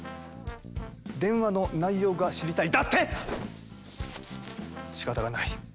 「電話の内容が知りたい」だって⁉しかたがない。